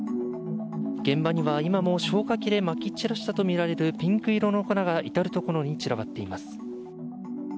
現場には今も消火器でまき散らしたとみられるピンク色の粉が至るところに散らばっています。